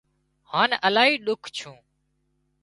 هانَ الاهي ۮُک ڇُون